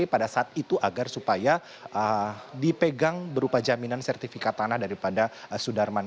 pada saat itu agar supaya dipegang berupa jaminan sertifikat tanah daripada sudarman